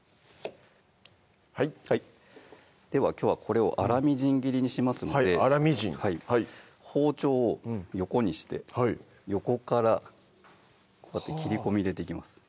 はいはいではきょうはこれを粗みじん切りにしますので粗みじん包丁を横にして横からこうやって切り込み入れていきます